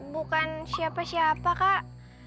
bukan siapa siapa kak